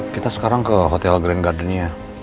kita sekarang ke hotel grand gardunia